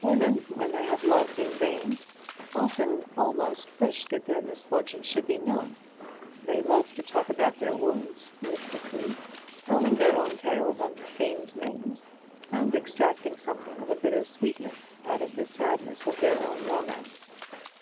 Women, when they have loved in vain, often almost wish that their misfortune should be known. They love to talk about their wounds mystically, telling their own tales under feigned names, and extracting something of a bitter sweetness out of the sadness of their own romance.